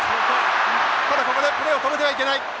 ただここでプレーを止めてはいけない。